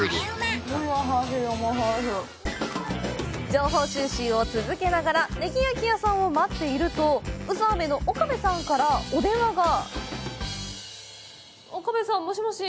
情報収集を続けながらねぎ焼き屋さんを待っていると宇佐飴の岡部さんからお電話が！